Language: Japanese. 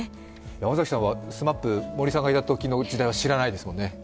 山崎さんは、ＳＭＡＰ、森さんがいたときの時代は知らないですもんね。